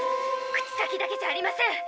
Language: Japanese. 口先だけじゃありません！